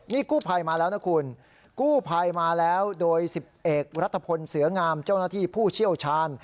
นี่กู้ภัยมาแล้วนะคุณกู้ภัยมาแล้วโดยสิบเอกรัฐพลเสืองามเจ้าหน้าที่ผู้เชี่ยวชาญ